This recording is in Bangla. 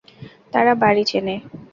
তারা বাড়ি চেনে?